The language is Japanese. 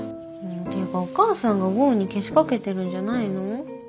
っていうかお母さんが剛にけしかけてるんじゃないの？